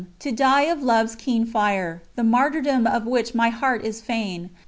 to die of love's keen fire: The martyrdom of which my heart is fain!